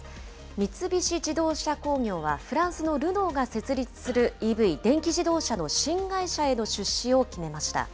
三菱自動車工業は、フランスのルノーが設立するＥＶ・電気自動車の新会社への出資を決めました。